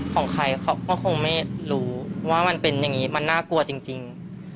ของใครเขาก็คงไม่รู้ว่ามันเป็นอย่างนี้มันน่ากลัวจริง